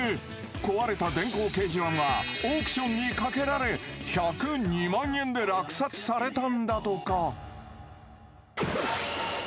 壊れた電光掲示板はオークションにかけられ１０２万円で落札されたんだとか。